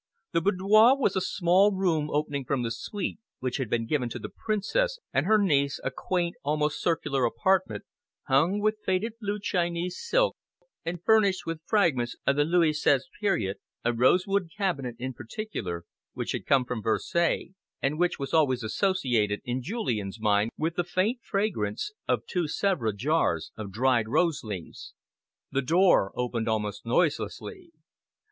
The boudoir was a small room opening from the suite which had been given to the Princess and her niece a quaint, almost circular apartment, hung with faded blue Chinese silk and furnished with fragments of the Louis Seize period, a rosewood cabinet, in particular, which had come from Versailles, and which was always associated in Julian's mind with the faint fragrance of two Sevres jars of dried rose leaves. The door opened almost noiselessly.